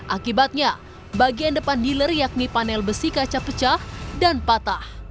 akibatnya bagian depan dealer yakni panel besi kaca pecah dan patah